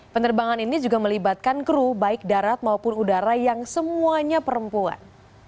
penerbangan ini juga melibatkan kru baik darat maupun udara yang semuanya perempuan